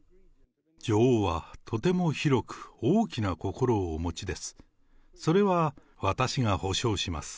女王はとても広く大きな心をお持ちです。